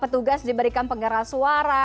petugas diberikan penggeras suara